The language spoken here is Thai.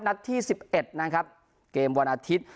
ลัดที่สิบเอ็ดนะครับเกมวันอาทิตย์